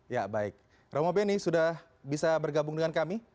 ya baik romo beni sudah bisa bergabung dengan kami